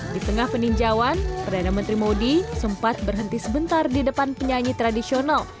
di tengah peninjauan perdana menteri modi sempat berhenti sebentar di depan penyanyi tradisional